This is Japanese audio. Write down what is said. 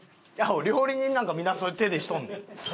料理人なんかみんなそれ手でしとんねん。